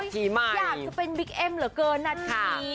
จะเป็นปิ๊กเอมเหลือเกินหนันที